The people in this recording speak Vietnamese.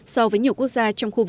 so với nhiều quốc gia